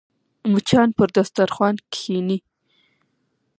مچان پر دسترخوان کښېني